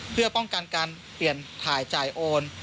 เพื่อป้องกันการเปลี่ยนถ่ายจ่ายโอน